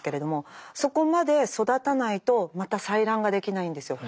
そこまで育たないとまた採卵ができないんですよ。